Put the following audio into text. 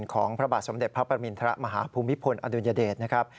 ของพระบาทสมเด็จพระปรมินทรมาฮภูมิพลอดุลยเดชนะครับ